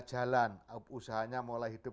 jalan usahanya mulai hidup